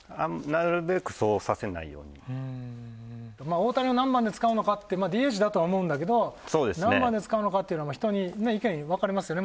大谷を何番で使うのかってまあＤＨだとは思うんだけど何番で使うのかっていうのは人に意見分かれますよね